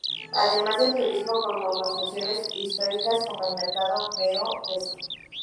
Además del turismo con construcciones históricas como el mercado Ver-o-Peso.